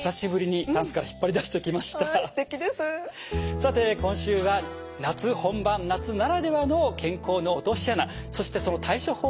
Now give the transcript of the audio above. さて今週は夏本番夏ならではの健康の“落とし穴”そしてその対処法をお伝えします。